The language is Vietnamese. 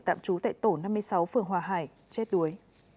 tạm trú tại tổ năm mươi sáu phường hòa hải chết đuối